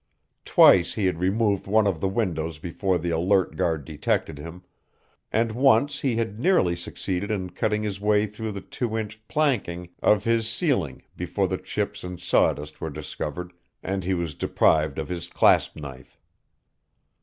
Twice he had removed one of the windows before the alert guard detected him, and once he had nearly succeeded in cutting his way through the two inch planking of his ceiling before the chips and sawdust were discovered, and he was deprived of his clasp knife.